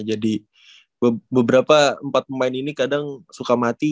jadi beberapa empat pemain ini kadang suka mati